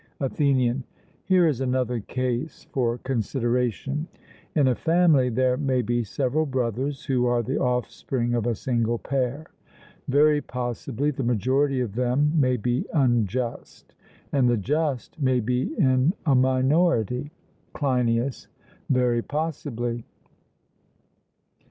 ATHENIAN: Here is another case for consideration; in a family there may be several brothers, who are the offspring of a single pair; very possibly the majority of them may be unjust, and the just may be in a minority. CLEINIAS: Very possibly.